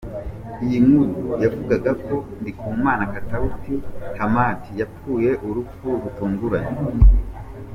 Iyi nkuru yavugaga ko Ndikumana Katawuti Hamadi yapfuye urupfu rutunguranye.